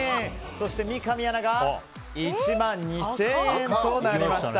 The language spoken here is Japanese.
そして三上アナが１万２０００円となりました。